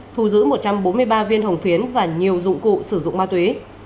thu giữ một trăm bốn mươi ba viên hồng phiến và nhiều dụng cụ sử dụng ma túy